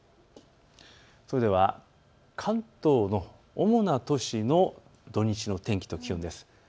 それでは関東の主な都市の土日の天気と気温です。